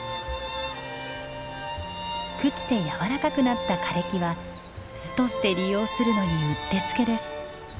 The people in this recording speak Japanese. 朽ちて軟らかくなった枯れ木は巣として利用するのにうってつけです。